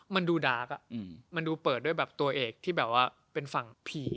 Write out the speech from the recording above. มันดูดาร์กมันดูเปิดด้วยแบบตัวเอกที่แบบว่าเป็นฝั่งผี